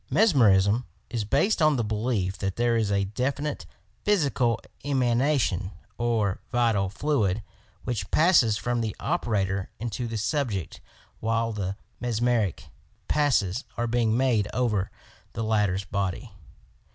Mesmerism is based on the belief that there is a definite physical emanation or vital fluid, which passes from the operator into the subject while the mesmeric passes are being made over the latter 's body.